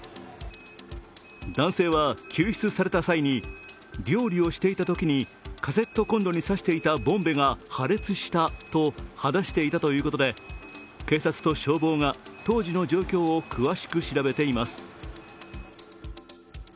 男性は救出された際に料理をしていたときにカセットコンロに差していたボンベが破裂したと話していたということで警察と消防が当時の状況を詳しく調べています。